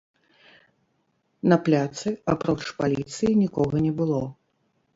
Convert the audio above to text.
На пляцы, апроч паліцыі, нікога не было.